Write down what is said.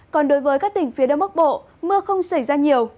còn đối với các tỉnh phía đông bắc bộ mưa không xảy ra nhiều